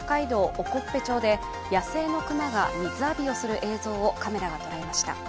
興部町で野生の熊が水浴びをする映像をカメラがとらえました。